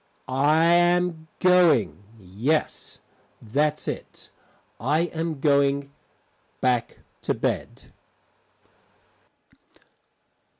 I am going yes, that's it, I am going back to bed.